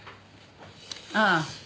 ああ。